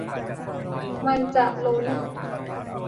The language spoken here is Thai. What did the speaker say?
มันจะล้น